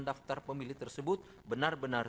daftar pemilih tersebut benar benar